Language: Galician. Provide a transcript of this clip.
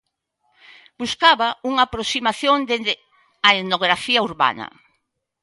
Buscaba unha aproximación dende a etnografía urbana.